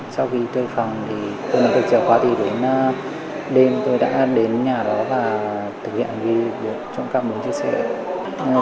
sau khi thuê phòng thì tôi đã được chợ khóa thì đến đêm tôi đã đến nhà đó và thực hiện hành vi được trộm cắp mũi chiếc xe